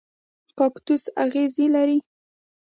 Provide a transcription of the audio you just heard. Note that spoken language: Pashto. کاکتوس اغزي لري